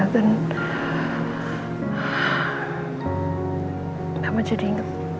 mama jadi inget